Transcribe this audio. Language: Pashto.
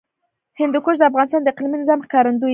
هندوکش د افغانستان د اقلیمي نظام ښکارندوی ده.